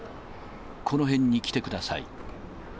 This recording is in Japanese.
この辺に来てください。